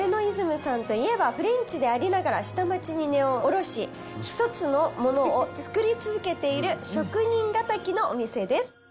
Ｎａｂｅｎｏ−Ｉｓｍさんといえばフレンチでありながら下町に根を下ろし一つのものを作り続けている「職人がたき」のお店です。